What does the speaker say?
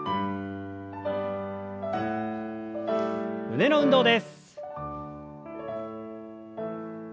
胸の運動です。